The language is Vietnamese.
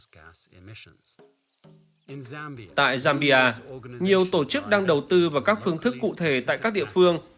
tại zambia nhiều tổ chức đang đầu tư vào các phương thức cụ thể tại các địa phương